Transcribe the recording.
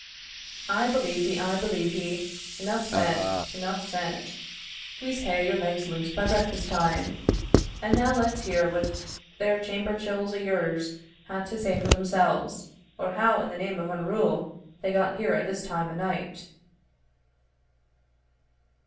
"I believe ye I believe ye. Eneugh said eneugh said. We'se hae your legs loose by breakfast time. And now let's hear what thir chamber chiels o' yours hae to say for themselves, or how, in the name of unrule, they got here at this time o' night."